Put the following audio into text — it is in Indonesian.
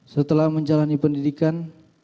setelah menjalani pendidikan